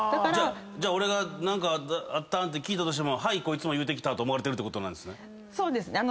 俺が何かあったん？って聞いたとしても「はい！こいつも言うてきた」と思われてるってことなんですね。